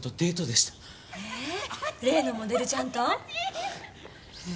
ええっ例のモデルちゃんと。